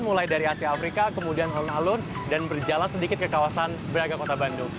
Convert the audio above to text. mulai dari asia afrika kemudian alun alun dan berjalan sedikit ke kawasan braga kota bandung